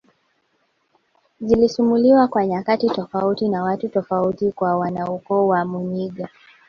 zilisimuliwa kwa nyakati tofauti na watu tofauti kwa wanaukoo wa muyinga